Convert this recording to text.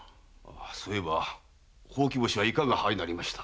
そういえばほうき星はいかがあいなりました？